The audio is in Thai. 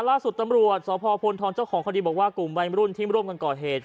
ล่าสุดตำรวจสพพลทองเจ้าของคดีบอกว่ากลุ่มวัยรุ่นที่ร่วมกันก่อเหตุ